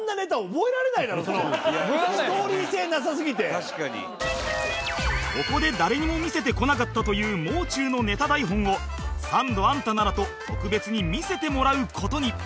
逆にここで誰にも見せてこなかったというもう中のネタ台本をサンドアンタならと特別に見せてもらう事に